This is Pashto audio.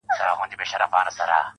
یوه ورځ به دي چیچي، پر سپینو لېچو.